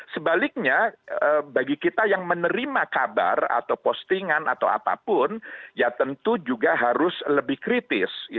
sebaliknya bagi kita yang menerima kabar atau postingan atau apapun ya tentu juga harus lebih kritis